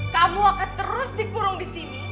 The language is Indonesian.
kamu akan terus dikurung di sini